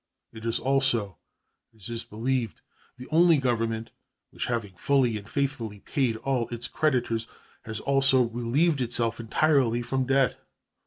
It is also, as is believed, the only Government which, having fully and faithfully paid all its creditors, has also relieved itself entirely from debt.